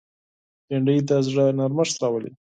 بېنډۍ د زړه نرمښت راولي